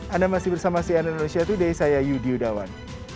anda masih bersama sian indonesia today saya yudi udawan